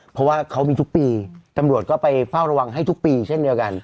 เพราะว่าเขามีทุกปีตำรวจก็ไปเฝ้าระวังให้ทุกปีเช่นเดียวกัน